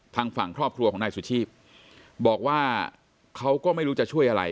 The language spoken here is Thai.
ทางฝั่งครอบครัวของนายสุชีพบอกว่าเขาก็ไม่รู้จะช่วยอะไร